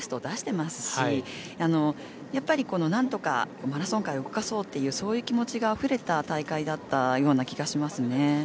出してますしやっぱり、何とかマラソン界を動かそうというそういう気持ちがあふれた大会だったような気がしますね。